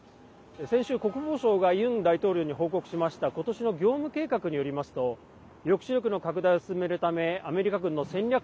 先週、国防省がユン大統領に報告しました今年の業務計画によりますと抑止力の拡大を進めるためアメリカ軍の戦略